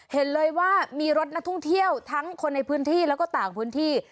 เห็นเลยว่ามีรถนักท่องเที่ยวทั้งคนในพื้นที่แล้วก็ต่างพื้นที่